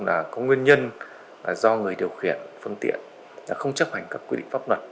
là có nguyên nhân do người điều khiển phương tiện không chấp hành các quy định pháp luật